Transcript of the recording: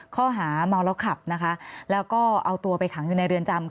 ค่อยหามัวแล้วขับแล้วก็เอาตัวไปขังอยู่ในเรือนจำ